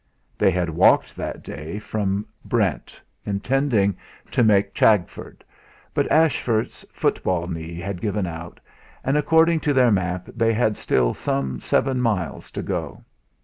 They had walked that day from Brent, intending to make Chagford, but Ashurst's football knee had given out, and according to their map they had still some seven miles to go.